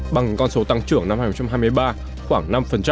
bằng con số tăng trưởng năm hai nghìn hai mươi ba khoảng năm